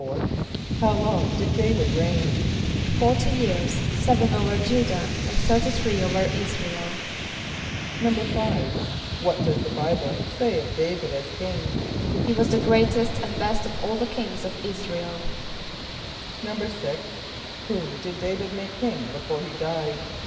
= How long did D[=a]´vid reign? =Forty years, seven over J[=u]´dah and thirty three over [)I][s+]´ra el.= =5.= What does the Bible say of D[=a]´vid as king? =He was the greatest and best of all the kings of [)I][s+]´ra el.= =6.= Whom did D[=a]´vid make king before he died?